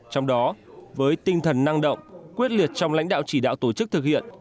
trong đó với tinh thần năng động quyết liệt trong lãnh đạo chỉ đạo tổ chức thực hiện